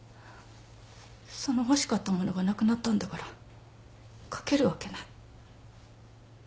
その欲しかったものがなくなったんだから書けるわけない。